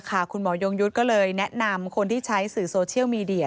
คุณหมอยงยุทธ์ก็เลยแนะนำคนที่ใช้สื่อโซเชียลมีเดีย